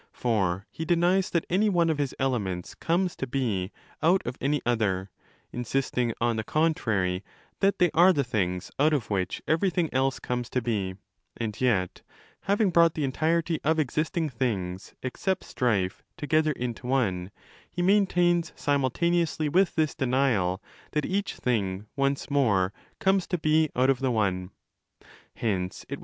For he denies that any one of his elements comes to be out of any other, insisting on the contrary that they are the things out of which every thing else comes to be; and yet (having brought the entirety of existing things, except Strife, together into one) he maintains, simultaneously with this denial, that each thing once more comes to be out of the One. Hence it was.